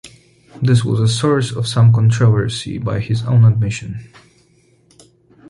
This was a source of some controversy, by his own admission.